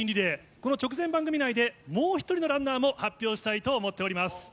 この直前番組内で、もう１人のランナーも発表したいと思っております。